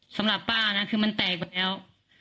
สำหรับป้านะคือมันแตกหมดแล้ว